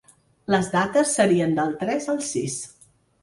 Les dates serien del tres al sis.